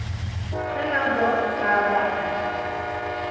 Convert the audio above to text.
Xela do ǩaobate.